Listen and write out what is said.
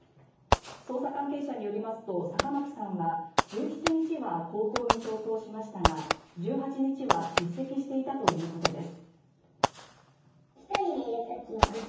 捜査関係者によりますと坂巻さんは１７日は高校に登校しましたが１８日は欠席していたということです。